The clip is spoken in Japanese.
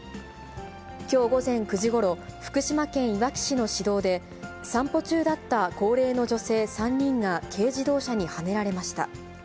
きょう午前９時ごろ、福島県いわき市のしどうで、散歩中だった高齢の女性３人が、軽自動車にはねられました。